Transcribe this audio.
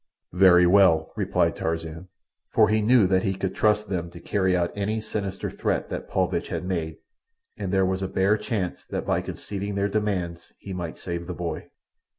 "Very well," replied Tarzan, for he knew that he could trust them to carry out any sinister threat that Paulvitch had made, and there was a bare chance that by conceding their demands he might save the boy.